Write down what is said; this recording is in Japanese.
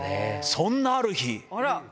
そんなある日。